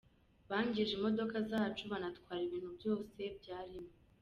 Bangije imodoka zacu banatwara ibintu byose byarimo.